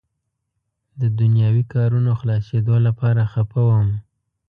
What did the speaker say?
د دنیاوي کارونو خلاصېدو لپاره خفه وم.